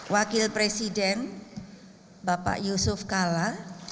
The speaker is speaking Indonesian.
wakil presiden bapak yusuf kala